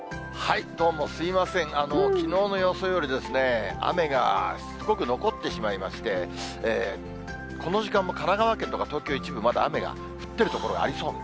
きのうの予想より雨がしつこく残ってしまいまして、この時間も神奈川県とか東京一部、まだ雨が降ってる所ありそう。